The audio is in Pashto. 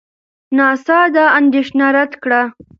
ناسا دا اندېښنه رد کړه.